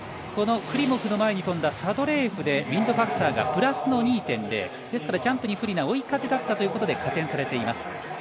このクリモフの前に飛んだサドレーエフでウインドファクターがプラスの２．０ですから、ジャンプに不利な追い風だったということで加点されています。